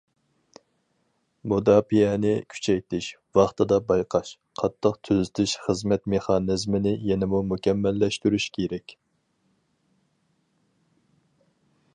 مۇداپىئەنى كۈچەيتىش، ۋاقتىدا بايقاش، قاتتىق تۈزىتىش خىزمەت مېخانىزمىنى يەنىمۇ مۇكەممەللەشتۈرۈش كېرەك.